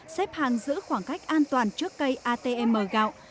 xếp hàng giữ khoảng cách an toàn trước cây atm gạo